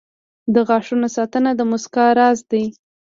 • د غاښونو ساتنه د مسکا راز دی.